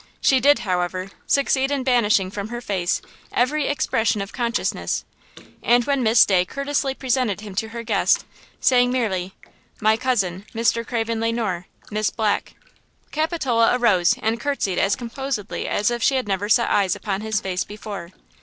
She did, however, succeed in banishing from her face every expression of consciousness. And when Miss Day courteously presented him to her guest, saying merely, "My cousin, Mr. Craven Le Noir, Miss Black," Capitola arose and curtsied as composedly as if she had never set eyes upon his face before.